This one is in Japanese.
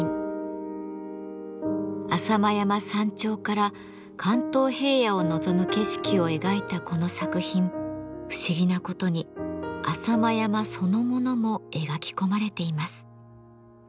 浅間山山頂から関東平野を望む景色を描いたこの作品不思議なことに浅間山そのものも描き込まれています。